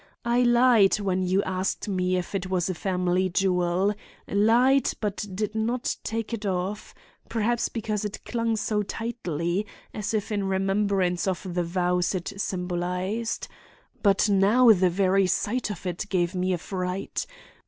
I lied when you asked me if it was a family jewel; lied but did not take it off, perhaps because it clung so tightly, as if in remembrance of the vows it symbolized. But now the very sight of it gave me a fright.